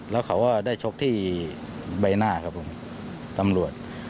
แล้วเขาก็ได้ชกที่ใบหน้าครับผมตำรวจ